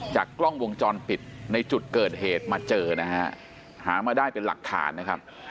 กล้องวงจรปิดในจุดเกิดเหตุมาเจอนะฮะหามาได้เป็นหลักฐานนะครับ